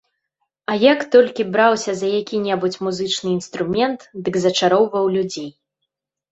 А як толькі браўся за які-небудзь музычны інструмент, дык зачароўваў людзей.